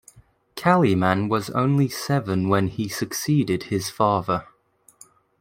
Kaliman was only seven when he succeeded his father.